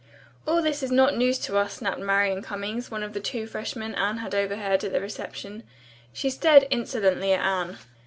"All this is not news to us," snapped Marian Cummings, one of the two freshmen Anne had overheard at the reception. She stared insolently at Anne.